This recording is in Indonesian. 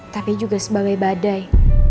tapi juga sebagai badai